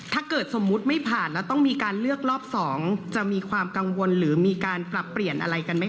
ถ้าเกิดสมมุติไม่ผ่านแล้วต้องมีการเลือกรอบ๒จะมีความกังวลหรือมีการปรับเปลี่ยนอะไรกันไหมค